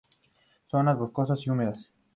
Zonas boscosas y húmedas.